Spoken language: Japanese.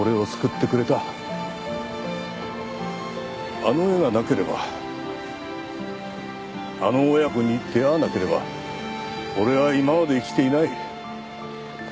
あの絵がなければあの親子に出会わなければ俺は今まで生きていない。